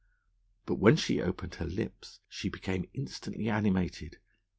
But when she opened her lips she became instantly animated.